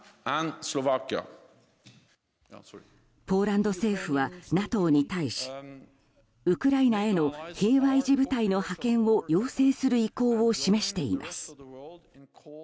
ポーランド政府はＮＡＴＯに対しウクライナへの平和維持部隊の派遣を要請する意向を示しています。